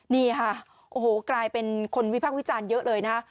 นี่ค่ะโอ้โหกลายเป็นคนวิพากษ์วิจารณ์เยอะเลยนะ